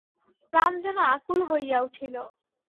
প্রাণ যেন আকুল হইয়া উঠিল।